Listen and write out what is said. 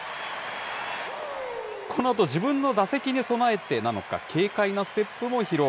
このあと自分の打席に備えてなのか、軽快なステップも披露。